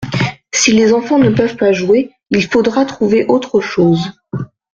Si les enfants ne peuvent pas jouer il faudra trouver autre chose.